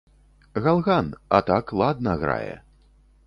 Галган, а так ладна грае.